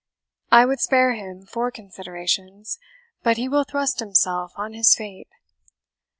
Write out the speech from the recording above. I would spare him for considerations, but he will thrust himself on his fate.